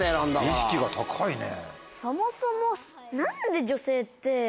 意識が高いね。